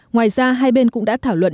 ngoài ra hai bên cũng đã thảo luận